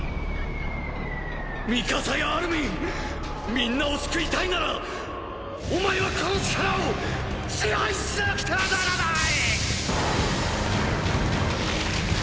ミカサやアルミンみんなを救いたいならお前はこの力を支配しなくてはならない！！